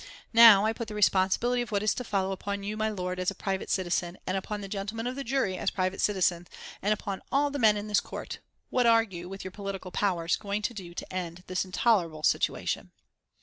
Now, I put the responsibility of what is to follow upon you, my lord, as a private citizen, and upon the gentlemen of the jury, as private citizens, and upon all the men in this court what are you, with your political powers, going to do to end this intolerable situation?